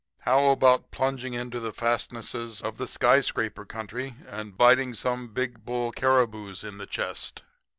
How about plunging into the fastnesses of the skyscraper country and biting some big bull caribous in the chest?'